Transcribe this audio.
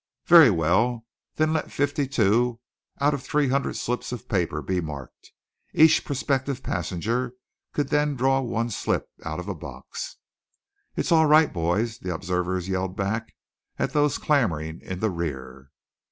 Very well. Then let fifty two out of three hundred slips of paper be marked. Each prospective passenger could then draw one slip out of a box. "It's all right, boys," the observers yelled back at those clamouring in the rear.